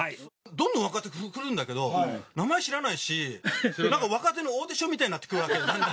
どんどん若手が来るんだけど、名前知らないし、なんか若手のオーディションみたいになってくるわけ。